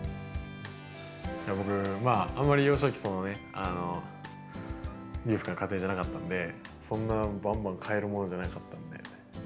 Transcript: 僕、あんまり幼少期ね、裕福な家庭じゃなかったんで、そんなばんばん買えるものじゃなかったんで。